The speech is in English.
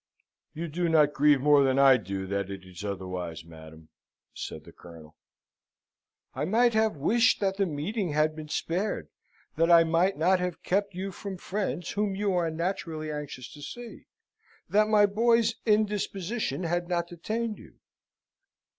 "You do not grieve more than I do that it is otherwise, madam," said the Colonel. "I might have wished that the meeting had been spared, that I might not have kept you from friends whom you are naturally anxious to see, that my boy's indisposition had not detained you.